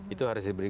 itu harus diberikan